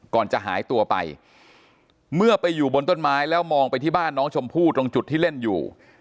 ก่อนจะหายตัวไปเมื่อไปอยู่บนต้นไม้แล้วมองไปที่บ้านน้องชมพู่ตรงจุดที่เล่นอยู่